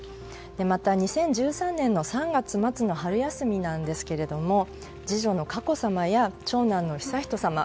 また、２０１３年３月末の春休みなんですが次女の佳子さまや長男の悠仁さま